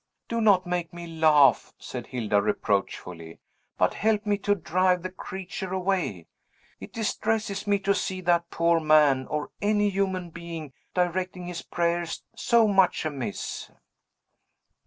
"Do not make me laugh," said Hilda reproachfully, "but help me to drive the creature away. It distresses me to see that poor man, or any human being, directing his prayers so much amiss."